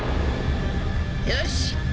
よし。